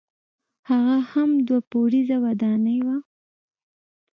هغه هم دوه پوړیزه ودانۍ وه.